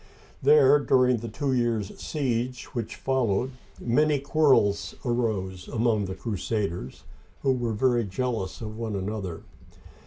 There, during the two years' siege which followed, many quarrels arose among the crusaders, who were very jealous of one another.